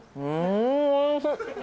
うん！